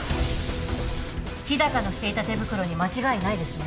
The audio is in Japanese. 日高のしていた手袋に間違いないですね